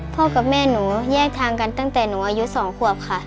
กับแม่หนูแยกทางกันตั้งแต่หนูอายุ๒ขวบค่ะ